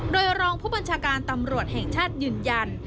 โดยรองผู้บัญชาการตำรวจแห่งชาติยืนยัน